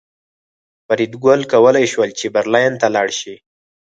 فریدګل کولی شول چې برلین ته لاړ شي